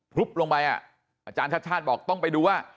ุบลงไปอาจารย์ชาติชาติบอกต้องไปดูว่า